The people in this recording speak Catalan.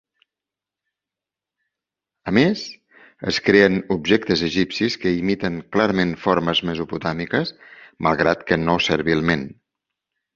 A més, es creen objectes egipcis que imiten clarament formes mesopotàmiques, malgrat que no servilment.